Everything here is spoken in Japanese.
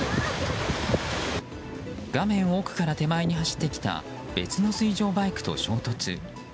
画面奥から手前に走ってきた別の水上バイクと衝突。